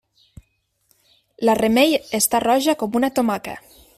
La Remei està roja com una tomaca.